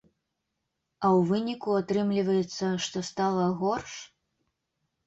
А ў выніку атрымліваецца, што стала горш?